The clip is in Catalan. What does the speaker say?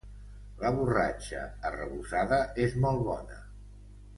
La borratja arrebossada és molt bona